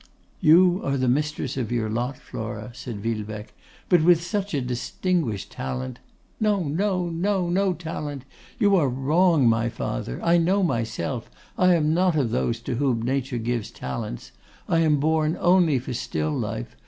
'You are the mistress of your lot, Flora,' said Villebecque; 'but with such a distinguished talent ' 'No, no, no; no talent. You are wrong, my father. I know myself. I am not of those to whom nature gives talents. I am born only for still life.